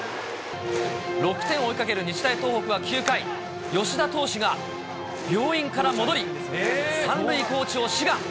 ６点を追いかける日大東北は９回、吉田投手が病院から戻り、３塁コーチを志願。